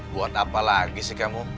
buat apa lagi sih kamu